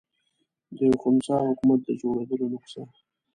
د یوه خنثی حکومت د جوړېدلو نسخه.